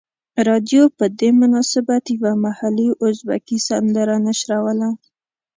رادیو په دې مناسبت یوه محلي ازبکي سندره نشروله.